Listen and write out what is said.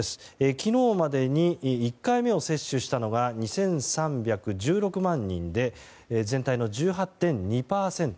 昨日までに１回目を接種したのが２３１６万人で全体の１８．２％。